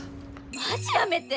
マジやめて。